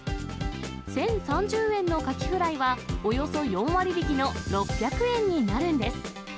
１０３０円のカキフライは、およそ４割引きの６００円になるんです。